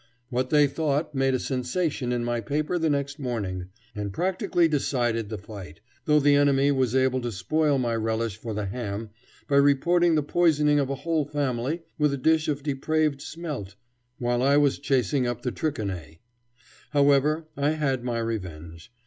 What they thought made a sensation in my paper the next morning, and practically decided the fight, though the enemy was able to spoil my relish for the ham by reporting the poisoning of a whole family with a dish of depraved smelt while I was chasing up the trichinae. However, I had my revenge.